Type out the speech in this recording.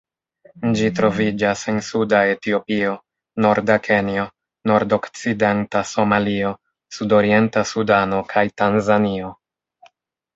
Ĝi troviĝas en suda Etiopio, norda Kenjo, nordokcidenta Somalio, sudorienta Sudano kaj Tanzanio.